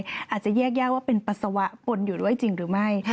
อาจจะแยกยากว่าเป็นปัสสาวะปนอยู่ด้วยจริงหรือไม่